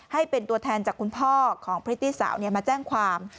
ให้เป็นตัวแทนจากคุณพ่อของพริตตี้สาวมาแจ้งความ